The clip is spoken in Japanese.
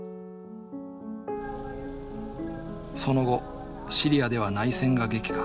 その後シリアでは内戦が激化。